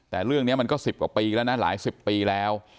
แต่เรื่องนี้มันก็๑๐กว่าปีแล้วนะหลายสิบปีแล้ว